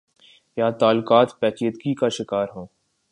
یا تعلقات پیچیدگی کا شکار ہوں۔۔